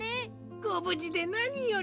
ごぶじでなにより。